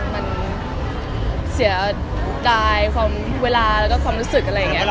มันเสียดายความเวลาแล้วก็ความรู้สึกอะไรอย่างนี้